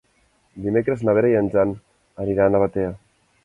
Dimecres na Vera i en Jan aniran a Batea.